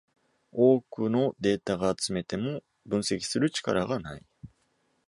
多くのデータが集めても分析する力がない